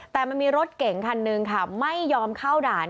แต่มันมีรถเก่งคันหนึ่งค่ะไม่ยอมเข้าด่าน